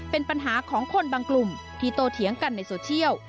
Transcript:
เป็นปัญหาของคนบางกลุ่มที่โตเถียงกันในโซเชียล